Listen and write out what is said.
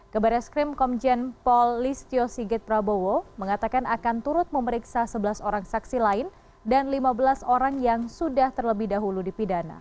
ke baris krim komjen pol listio sigit prabowo mengatakan akan turut memeriksa sebelas orang saksi lain dan lima belas orang yang sudah terlebih dahulu dipidana